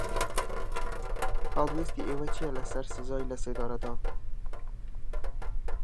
هەڵوێستی ئێوە چییە لەسەر سزای لەسێدارەدان؟